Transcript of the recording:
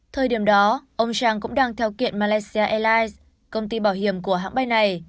thời điểm đó ông trump cũng đang theo kiện malaysia airlines công ty bảo hiểm của hãng bay này